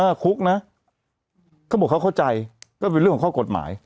ถ้าคุกนะเขาบอกเขาเข้าใจก็เป็นเรื่องของข้อกฎหมาย